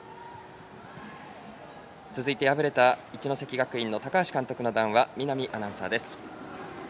続いて、敗れた一関学院の高橋監督の談話見浪アナウンサーです。